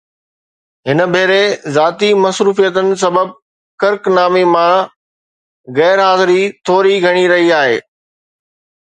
هن ڀيري ذاتي مصروفيتن سبب ڪرڪ نامي مان غير حاضري ٿوري گهڻي رهي آهي